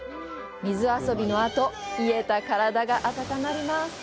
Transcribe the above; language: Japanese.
水遊びのあと冷えた身体が温まります。